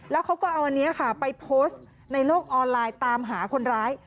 แล้วเขาก็เอาอันนี้ค่ะไปโพสต์ในโลกออนไลน์ตามหาคนร้าย